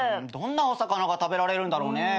どんなお魚が食べられるんだろうね？